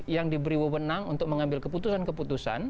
yang diberi wewenang untuk mengambil keputusan keputusan